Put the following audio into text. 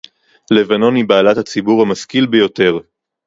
לבנון היא בעלת הציבור המשכיל ביותר